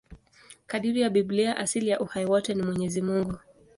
Kadiri ya Biblia, asili ya uhai wote ni Mwenyezi Mungu.